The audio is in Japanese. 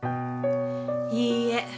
いいえ。